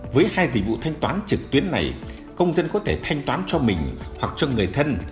với hai dịch vụ thanh toán trực tuyến này công dân có thể thanh toán cho mình hoặc cho người thân